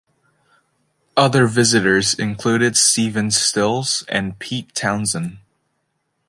Other visitors included Stephen Stills and Pete Townshend.